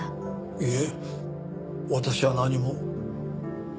いえ私は何も。